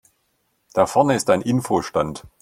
Da vorne ist ein Info-Stand.